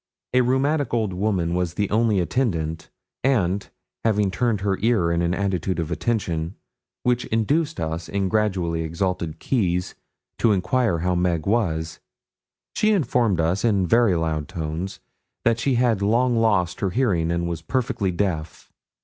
A rheumatic old woman was the only attendant; and, having turned her ear in an attitude of attention, which induced us in gradually exalted keys to enquire how Meg was, she informed us in very loud tones that she had long lost her hearing and was perfectly deaf.